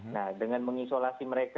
nah dengan mengisolasi mereka